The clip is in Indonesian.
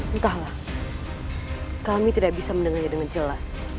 entahlah kami tidak bisa mendengarnya dengan jelas